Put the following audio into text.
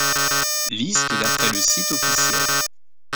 Liste d'après le site officiel.